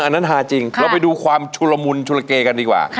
อันนั้นฮาจริงเราไปดูความชุลมุนชุลเกกันดีกว่า